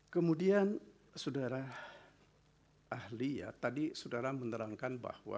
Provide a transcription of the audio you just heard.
kemudian saudara ahli ya tadi saudara menerangkan bahwa